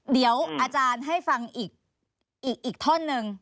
เดี๋ยวอาจารย์ให้ฟังอีกท่อนหนึ่ง